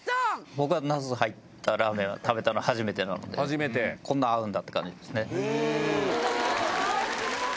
僕はナス入ったラーメン食べたの初めてなのでこんな合うんだって感じですね